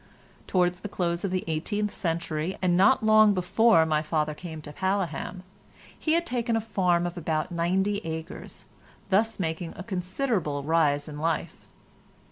Towards the close of the eighteenth century and not long before my father came to Paleham, he had taken a farm of about ninety acres, thus making a considerable rise in life.